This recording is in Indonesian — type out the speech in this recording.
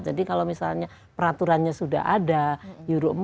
jadi kalau misalnya peraturannya sudah ada euro empat